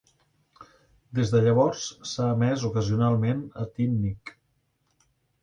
Des de llavors s'ha emès ocasionalment a TeenNick.